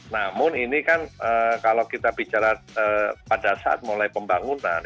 namun ini kan kalau kita bicara pada saat mulai pembangunan